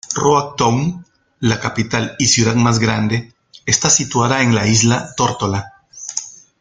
Road Town, la capital y ciudad más grande, está situada en la isla Tórtola.